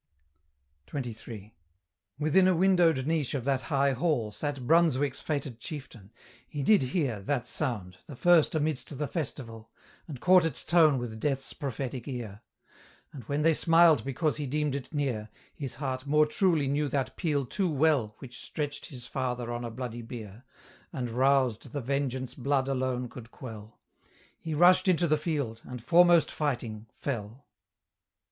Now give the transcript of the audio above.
XXIII. Within a windowed niche of that high hall Sate Brunswick's fated chieftain; he did hear That sound, the first amidst the festival, And caught its tone with Death's prophetic ear; And when they smiled because he deemed it near, His heart more truly knew that peal too well Which stretched his father on a bloody bier, And roused the vengeance blood alone could quell: He rushed into the field, and, foremost fighting, fell.